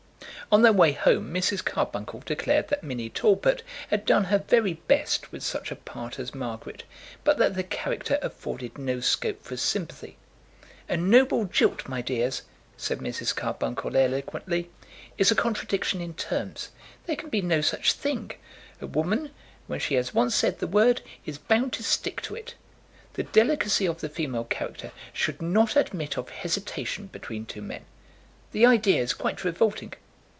On their way home Mrs. Carbuncle declared that Minnie Talbot had done her very best with such a part as Margaret, but that the character afforded no scope for sympathy. "A noble jilt, my dears," said Mrs. Carbuncle eloquently, "is a contradiction in terms. There can be no such thing. A woman, when she has once said the word, is bound to stick to it. The delicacy of the female character should not admit of hesitation between two men. The idea is quite revolting."